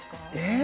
え！？